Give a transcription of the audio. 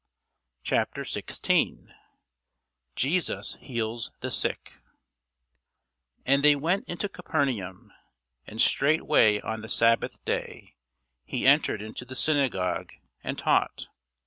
CHAPTER 16 JESUS HEALS THE SICK AND they went into Capernaum; and straightway on the sabbath day he entered into the synagogue, and taught.